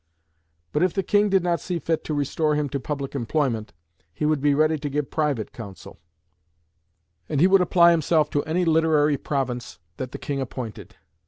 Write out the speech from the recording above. But if the King did not see fit to restore him to public employment, he would be ready to give private counsel; and he would apply himself to any "literary province" that the King appointed.